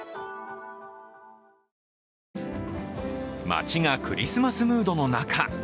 街がクリスマスムードの中